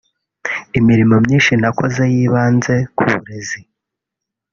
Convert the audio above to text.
Imirimo myinshi nakoze yibanze ku burezi